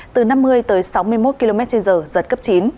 từ năm mươi tới sáu mươi một km trên giờ giật cấp chín